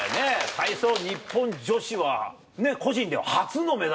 体操日本女子は個人では初のメダルだから。